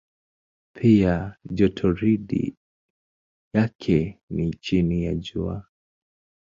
Pia jotoridi yake ni chini ya Jua.